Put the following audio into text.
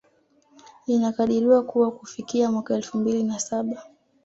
Inakadiriwa kuwa kufikia mwaka elfu mbili na saba